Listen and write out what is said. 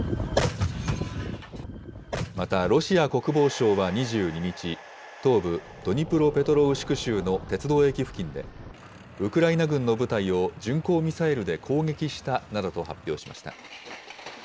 またロシア国防省は２２日、東部ドニプロペトロウシク州の鉄道駅付近で、ウクライナ軍の部隊を巡航ミサイルで攻撃したなどと発表しました。